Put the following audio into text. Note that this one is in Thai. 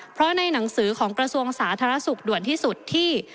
เพราะในหนังสือของกระทรวงสาธารณสุขด่วนที่สุดที่